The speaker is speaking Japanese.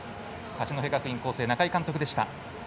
八戸学院光星、仲井監督でした。